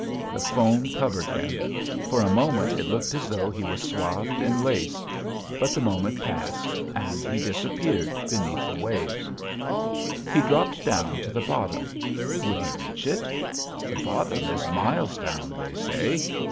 The foam covered him, for a moment it looked as though he was swathed in lace, but the moment passed and he disappeared beneath the waves. He dropped down to the bottom. Would he reach it? The bottom is miles down, they say.